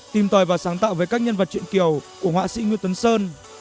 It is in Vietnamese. tìm tòi và sáng tạo với các nhân vật chuyện kiều của họa sĩ nguyễn tuấn sơn